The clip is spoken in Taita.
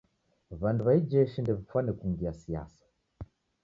W'andu w'a ijeshi ndew'ifane kungia siasa.